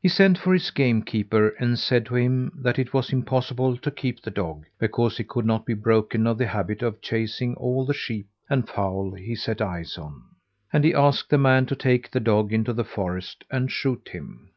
He sent for his game keeper and said to him that it was impossible to keep the dog because he could not be broken of the habit of chasing all the sheep and fowl he set eyes on, and he asked the man to take the dog into the forest and shoot him.